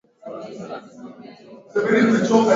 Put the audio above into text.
Burundi watu wengi weko na ukimwi